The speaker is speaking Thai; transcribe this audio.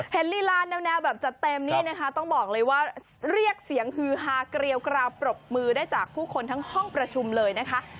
ลีลาแนวแบบจัดเต็มนี่นะคะต้องบอกเลยว่าเรียกเสียงฮือฮาเกรียวกราวปรบมือได้จากผู้คนทั้งห้องประชุมเลยนะคะ